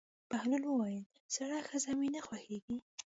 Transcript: بهلول وویل: زړه ښځه مې نه خوښېږي.